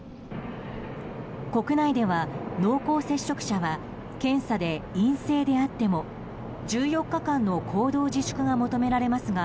国内では、濃厚接触者は検査で陰性であっても１４日間の行動自粛が求められます